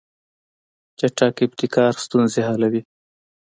چټک ابتکار ستونزې حلوي.